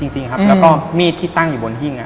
จริงครับแล้วก็มีดที่ตั้งอยู่บนหิ้ง